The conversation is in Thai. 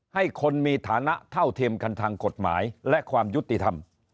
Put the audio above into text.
ให้คนมีฐานะเท่าเทียมกันทางกฎหมายและความยุติธรรม